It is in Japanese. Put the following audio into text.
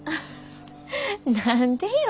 何でよ。